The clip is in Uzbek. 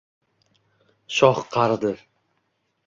Shoh qaridi